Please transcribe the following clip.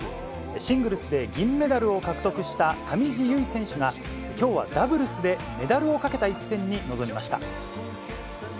シングルスで銀メダルを獲得した上地結衣選手が、きょうはダブルスで、メダルをかけた一戦に臨みました。